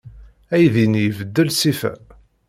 Aydi-nni ibeddel ṣṣifa.